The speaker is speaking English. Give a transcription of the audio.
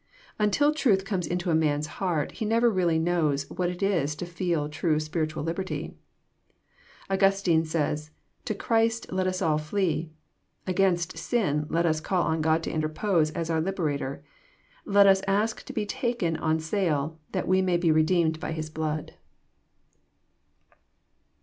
Until truth comes into a man's heart, he never really knows what it is to feel true spiritual liberty. Augustine says, '* To Christ let us all flee. Against sin let us call on God to interpose as our Liberator. Let us ask to be taken on sale, that we may be redeemed by His blood."